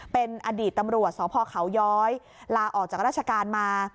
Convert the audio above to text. เป็นอดีตตำรวจสพเขาย้อยลาออกจากราชการมา